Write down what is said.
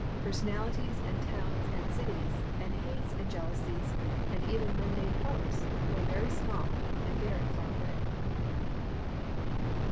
Personalities and towns and cities, and hates and jealousies, and even mundane hopes, grow very small and very far away."